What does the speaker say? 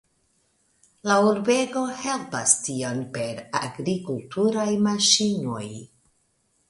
La urbego helpas tion per agrikulturaj maŝinoj.